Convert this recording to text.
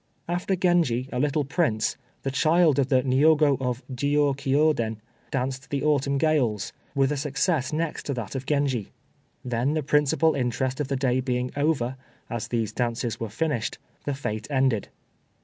After Genji, a little prince, the child of the Niogo of Jiôkiô den, danced the "Autumn Gales," with a success next to that of Genji. Then, the principal interest of the day being over, as these dances were finished, the fête ended.